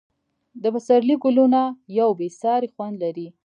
د پسرلي ګلونه یو بې ساری خوند لري.